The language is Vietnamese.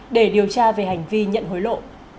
để điều tra về hành vi nhận hối lộ